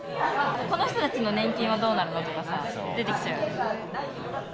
この人たちの年金はどうなるのとか、出てきちゃうよね。